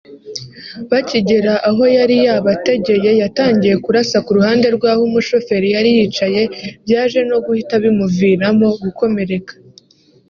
Bakigera aho yari yabategeye yatangiye kurasa ku ruhande rw’ aho umushoferi yari yicaye byaje no guhita bimuviramo gukomereka